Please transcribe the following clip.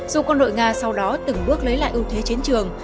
dù quân đội nga sau đó từng bước lấy lại ưu thế chiến trường